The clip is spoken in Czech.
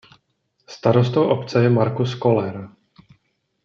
Starostou obce je Markus Koller.